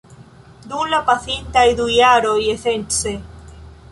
Dum la pasintaj du jaroj, esence